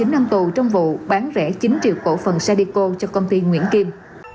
một mươi chín năm tù trong vụ bán rẻ chín triệu cổ phần sadico cho công ty nguyễn kim